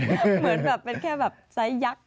เหมือนแบบเป็นแค่แบบไซส์ยักษ์